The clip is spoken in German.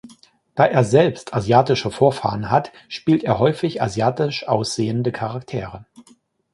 Da er selbst asiatische Vorfahren hat, spielte er häufig asiatisch aussehende Charaktere.